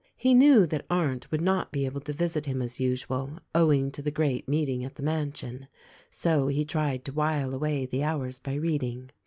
He knew that Arndt would not be able to visit him as usual, owing to the great meeting at the mansion; so he tried to while away the hours by reading.